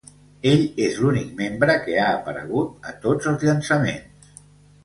Ell és l'únic membre que ha aparegut a tots els llançaments.